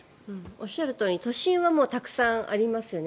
おっしゃるとおり都心はたくさんありますよね。